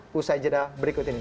pusat jeda berikut ini